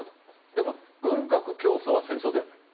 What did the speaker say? でも、軍拡競争は戦争ではない。